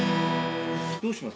どうします？